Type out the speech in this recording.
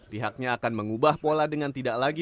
pihaknya akan mengubah pola dengan tidak lagi